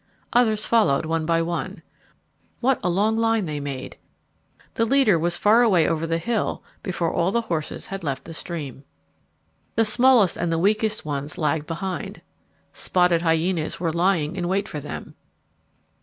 Others followed one by one. What a long line they made! The leader was far away over the hill before all the horses had left the stream. [Illustration: "Farther out was a herd of mammoths"] The smallest and the weakest ones lagged behind. Spotted hyenas were lying in wait for them.